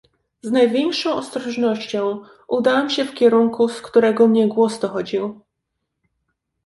"Z największą ostrożnością udałem się w kierunku, z którego mnie głos dochodził."